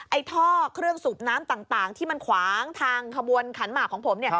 ท่อเครื่องสูบน้ำต่างที่มันขวางทางขบวนขันหมากของผมเนี่ย